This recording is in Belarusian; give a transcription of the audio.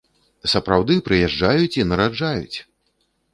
Сапраўды прыязджаюць і нараджаюць!